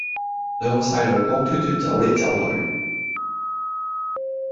兩個細路光脫脫走黎走去